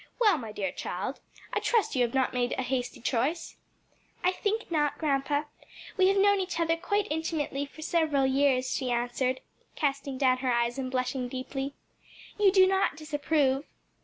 Well, my dear child, I trust you have not made a hasty choice?" "I think not, grandpa; we have known each other quite intimately for several years," she answered, casting down her eyes and blushing deeply. "You do not disapprove?"